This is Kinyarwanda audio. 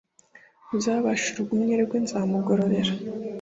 uzabasha urugumye rwe nzamugororera